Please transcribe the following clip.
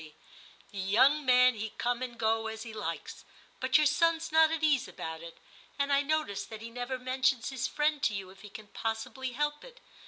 The young man he come and go as he likes, but your son's not at ease about it ; and I notice that he never mentions his friend to you if he can possibly help it.